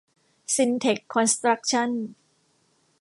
ซินเท็ค คอนสตรัคชั่น